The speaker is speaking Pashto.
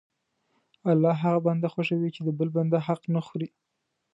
الله هغه بنده خوښوي چې د بل بنده حق نه خوري.